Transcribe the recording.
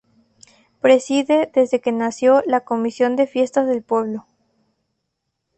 Preside, desde que nació, la comisión de fiestas del pueblo.